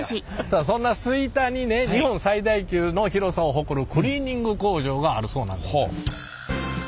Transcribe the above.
さあそんな吹田にね日本最大級の広さを誇るクリーニング工場があるそうなんでございます。